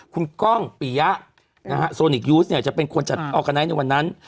คุณก้องปียะนะฮะโซนิกยูสเนี่ยจะเป็นคนจัดออร์กาไนท์ในวันนั้น